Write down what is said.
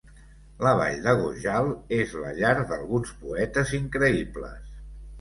La Vall de Gojal és la llar d'alguns poetes increïbles.